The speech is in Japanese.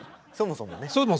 そもそも。